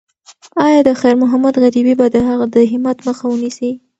ایا د خیر محمد غریبي به د هغه د همت مخه ونیسي؟